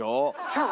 そう！